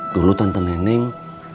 dulu tante neneng